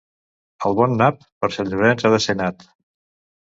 El bon nap, per Sant Llorenç ha de ser nat.